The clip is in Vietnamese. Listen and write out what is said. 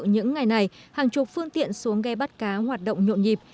những ngày này hàng chục phương tiện xuống ghe bắt cá hoạt động nhộn nhịp